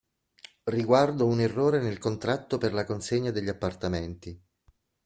Riguardo un errore nel contratto per la consegna degli appartamenti.